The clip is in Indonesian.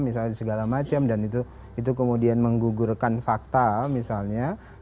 misalnya segala macam dan itu kemudian menggugurkan fakta misalnya